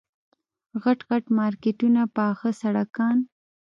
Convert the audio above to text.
غټ غټ مارکېټونه پاخه سړکان.